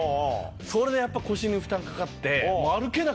それで腰に負担かかって。